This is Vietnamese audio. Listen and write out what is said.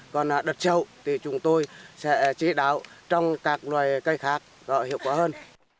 còn đất sâu thì chúng tôi sẽ trị đạo trong các loài cây khác có hiệu quả hơn